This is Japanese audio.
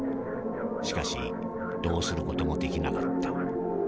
しかしどうする事もできなかった。